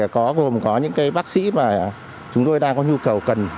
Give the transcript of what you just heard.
có gồm có những cái bác sĩ mà chúng tôi đang có nhu cầu cần